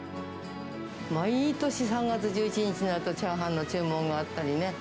毎年３月１１日になると、チャーハンの注文があったりね。